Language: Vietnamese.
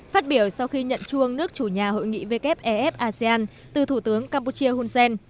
phát biểu sau khi nhận chuông nước chủ nhà hội nghị wef asean từ thủ tướng campuchia hunsen